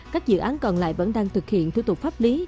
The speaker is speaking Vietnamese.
các dự án còn lại vẫn đang thực hiện thủ tục pháp lý